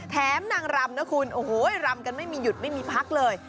นางรำนะคุณโอ้โหรำกันไม่มีหยุดไม่มีพักเลย